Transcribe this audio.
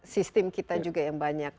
sistem kita juga yang banyak